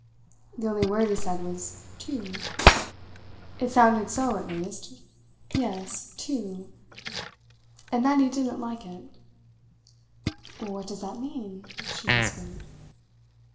The only word he said was 'two'. It sounded so, at least. Yes, 'two' and that he didn't like it." "What does that mean?" she whispered.